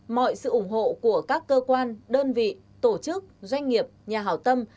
mọi sự ủng hộ của các cơ quan đơn vị tổ chức doanh nghiệp nhà hảo tâm